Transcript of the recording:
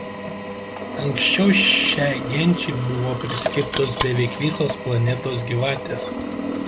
Anksčiau šiai genčiai buvo priskirtos beveik visos planetos gyvatės.